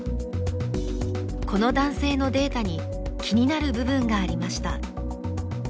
この男性のデータに気になる部分がありました。